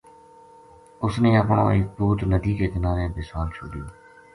اس نے اپنو ایک پوت ندی کے کنارے بِسال چھوڈیو